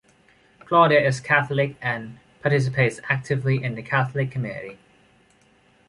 Claudia is Catholic and participates actively in the Catholic community.